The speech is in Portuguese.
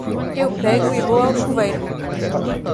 Eu pego e vou ao chuveiro.